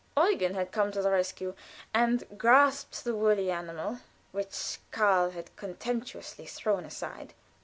Eugen had come to the rescue, and grasped the woolly animal which Karl had contemptuously thrown aside.